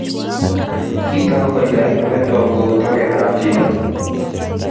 Kitooku koita eng oleloo kou toket ab chito